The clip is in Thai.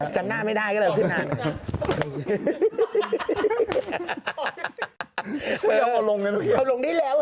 จำหน้าไม่ได้ก็เลยเอาขึ้นมา